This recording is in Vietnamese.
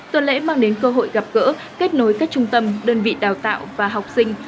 tuần lễ mang đến cơ hội gặp gỡ kết nối các trung tâm đơn vị đào tạo và học sinh